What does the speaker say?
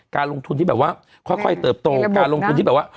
การลงทุนที่แบบว่าค่อยเติบโตการลงทุนที่แบบว่า